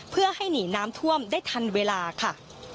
เพื่อให้หนีน้ำท่วมได้ทันเวลาค่ะ